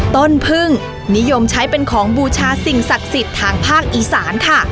ต้นพึ่งนิยมใช้เป็นของบูชาสิ่งศักดิ์สิทธิ์ทางภาคอีสานค่ะ